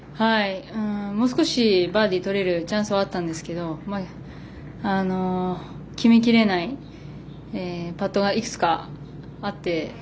もう少しバーディーとれるチャンスはあったんですけど決めきれないパットがいくつかあって。